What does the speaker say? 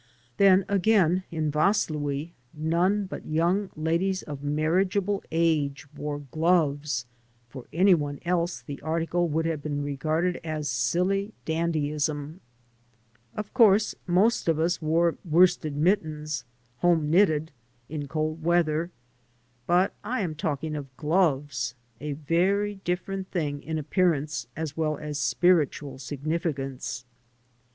Then, again, in Vaslui none but yoimg ladies of marriageable age wore gloves; for any one else the article would have been regarded as silly dandyism. Of course, most of us wore worsted mittens, home knitted, in cold weather. But I am talking of gloves, a very different thing in appearance as well as spiritual significance.